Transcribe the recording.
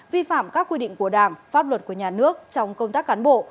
vi phạm các quy định của đảng pháp luật của nhà nước trong công tác cán bộ